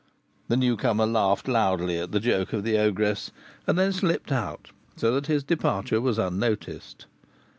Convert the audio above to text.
The newcomer laughed loudly at the joke of the ogress, and then slipped out, so that his departure was unnoticed.